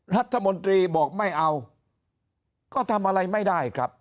รัฐมนตรีบอกไม่เอาก็ทำอะไรไม่ได้ครับ